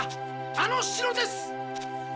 あの城です！